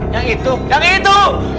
yang itu yang itu